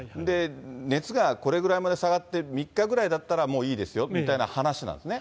熱がこれぐらいまで下がって３日ぐらいだったらいいですよみたいな話なんですね。